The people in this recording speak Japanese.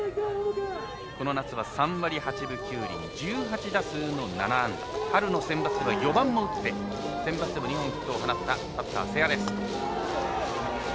この夏は３割８分９厘１８打数の７安打春のセンバツでは４番を打って２本、ヒットを放った瀬谷です。